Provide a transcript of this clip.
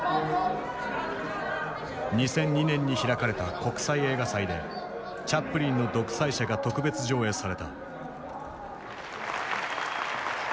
２００２年に開かれた国際映画祭でチャップリンの「独裁者」が特別上映された。